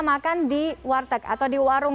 makan di warteg atau di warung